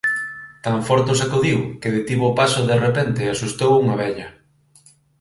tan forte o sacudiu que detivo o paso de repente e asustou unha vella;